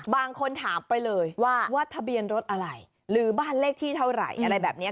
บางคนถามไปเลยว่าทะเบียนรถอะไรหรือบ้านเลขที่เท่าไหร่อะไรแบบนี้